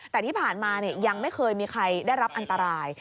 แต่ที่ผ่านมายังไม่เคยมีใครได้รับอันตราย